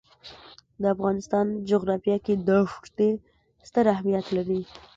د افغانستان جغرافیه کې دښتې ستر اهمیت لري.